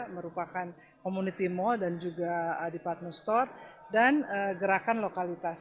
merupakan komuniti mal dan juga adipat mustor dan gerakan lokalitas